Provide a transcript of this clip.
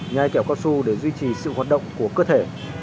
nhai kẹo cao su để duy trì sự hoạt động của cơ thể